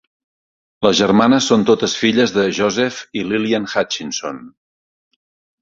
Les germanes són totes filles de Joseph i Lillian Hutchinson.